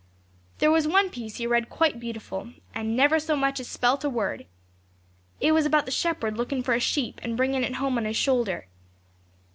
'There was one piece he read quite beautiful, and never so much as spelt a word. It was about the Shepherd looking for a sheep, and bringing it home on His shoulder.